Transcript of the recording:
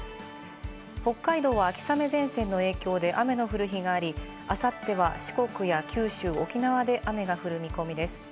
北海道は秋雨前線の影響で雨の降る日があり、あさっては四国や九州、沖縄で雨が降る見込みです。